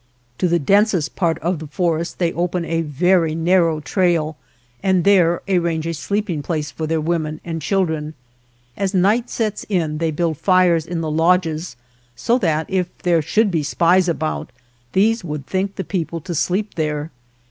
To the densest part of the forest they open a very narrow trail and there ar range a sleeping place for their women and children. As night sets in they build fires in the lodges, so that if there should be spies about, these would think the people to sleep there.